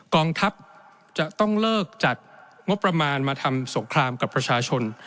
กองทัพจะต้องเลิกจัดงบประมาณมาทำสงครามกับประชาชน